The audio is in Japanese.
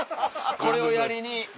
これをやりに。